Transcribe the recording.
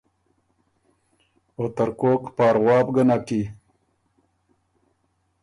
”او ترکوک پاروا بو ګه نک کی“